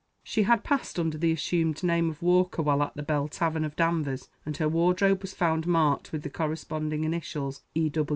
She had passed under the assumed name of Walker while at the Bell Tavern of Danvers, and her wardrobe was found marked with the corresponding initials, "E.